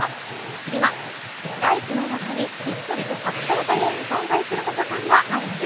今、大地の中にひっそりと隠されたように存在する図書館があるんです。